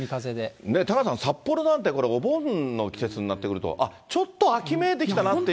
タカさん、札幌なんてこれ、お盆の季節になってくると、あっ、ちょっと秋めいてきたなっていう